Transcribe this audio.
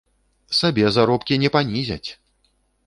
Сабе заробкі не панізяць!